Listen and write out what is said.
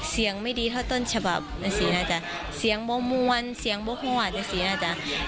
เสียงไม่ดีธน์สินะจ๊ะเสียงไม่ม้วนคือบ้างมะว่าวะสินะจ๊ะ